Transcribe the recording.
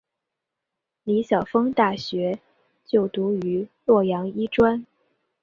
李晓峰大学就读于洛阳医专。